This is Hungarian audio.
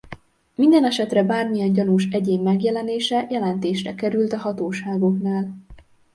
Mindenesetre bármilyen gyanús egyén megjelenése jelentésre került a hatóságoknál.